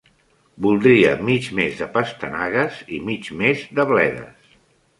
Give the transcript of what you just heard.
Voldria mig més de pastanagues i mig més de bledes.